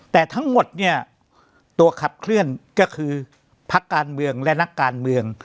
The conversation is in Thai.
แต่ทั้งหมดเนี่ยตัวขับเคลื่อนก็คือพักการเมืองและนักการเมือง